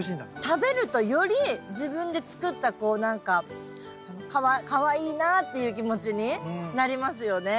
食べるとより自分で作ったこう何かかわいいなっていう気持ちになりますよね。